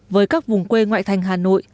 với các vùng quê ngoại thanh hà nội